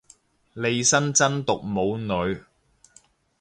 利申真毒冇女